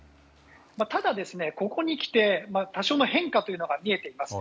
ただ、ここに来て多少の変化というのが見えています。